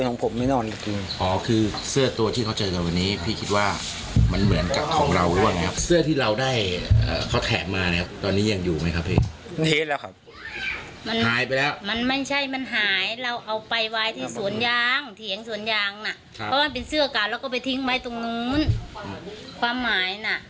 อยู่ไหมครับพี่หายไปแล้วมันไม่ใช่มันหายเราเอาไปไว้ที่สวนยางเถียงสวนยางน่ะเพราะว่ามันเป็นเสื้อกากแล้วก็ไปทิ้งไว้ตรงนู้นความหายน่ะ